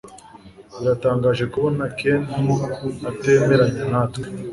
Biratangaje kubona Ken atemeranya natwe